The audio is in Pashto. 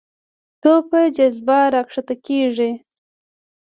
توپ په جاذبه راښکته کېږي.